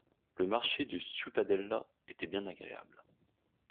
Le marché de Ciutadella était bien agréable.